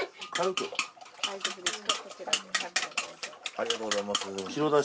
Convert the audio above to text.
ありがとうございます。